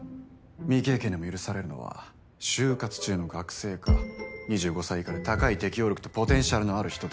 未経験でも許されるのは就活中の学生か２５歳以下で高い適応力とポテンシャルのある人だけ。